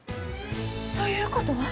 ということは？